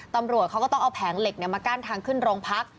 ตำรวจเขาก็ต้องเอาแผงเหล็กมากั้นทางขึ้นโรงพัก